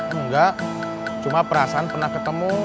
enggak cuma perasaan pernah ketemu